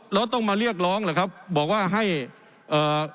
แล้วต้องมาเรียกร้องหรือครับบอกว่าให้เอ่อ